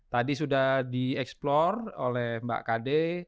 tadi sudah di explore oleh mbak kd